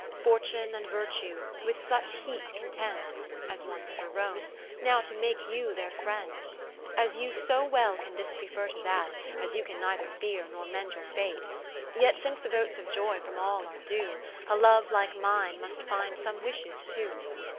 Fortune and Virtue with such heat contend (As once for Rome) now to make you their friend : As you so well can this prefer to that, As you can neither fear, nor mend your fate : Yet since the votes of joy from all are due, A love like mine must find some wishes too.